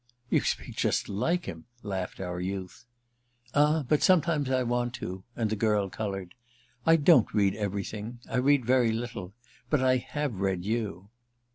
"You speak just like him," laughed our youth. "Ah but sometimes I want to"—and the girl coloured. "I don't read everything—I read very little. But I have read you."